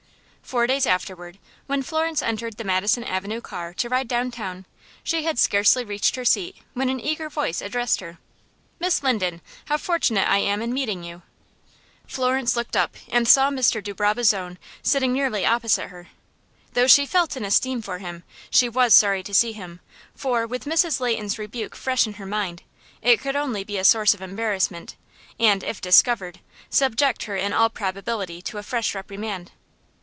Four days afterward, when Florence entered the Madison Avenue car to ride downtown, she had scarcely reached her seat when an eager voice addressed her: "Miss Linden, how fortunate I am in meeting you!" Florence looked up and saw Mr. de Brabazon sitting nearly opposite her. Though she felt an esteem for him, she was sorry to see him, for, with Mrs. Leighton's rebuke fresh in her mind, it could only be a source of embarrassment, and, if discovered, subject her in all probability to a fresh reprimand.